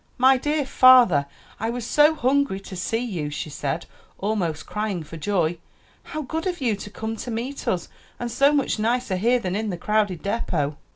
"My dear father, I was so hungry to see you," she said, almost crying for joy. "How good of you to come to meet us, and so much nicer here than in the crowded depot."